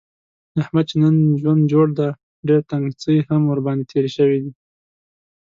د احمد چې نن ژوند جوړ دی، ډېر تنګڅۍ هم ورباندې تېرې شوي دي.